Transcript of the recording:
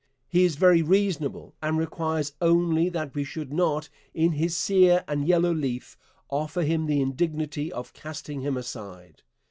He is very reasonable, and requires only that we should not in his 'sere and yellow leaf' offer him the indignity of casting him aside.